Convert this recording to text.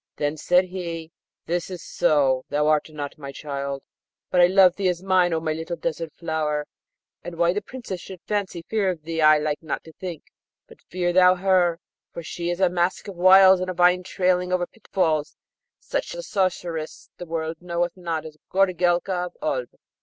Then said he, 'This is so: thou art not my child; but I love thee as mine, O my little Desert flower; and why the Princess should fancy fear of thee I like not to think; but fear thou her, for she is a mask of wiles and a vine trailing over pitfalls; such a sorceress the world knoweth not as Goorelka of Oolb.'